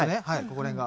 ここら辺が。